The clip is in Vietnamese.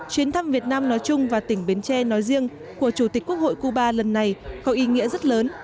chuyến thăm việt nam nói chung và tỉnh bến tre nói riêng của chủ tịch quốc hội cuba lần này có ý nghĩa rất lớn